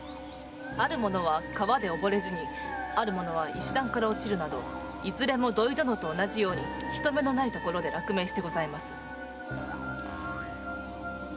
ある者は川で溺れ死にある者は石段から落ちるなどいずれも土井殿と同じように人目のないところでの落命です。